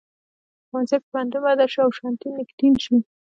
ښوونځي په پوهنتون بدل شو او شانتي نیکیتن شو.